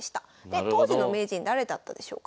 で当時の名人誰だったでしょうか？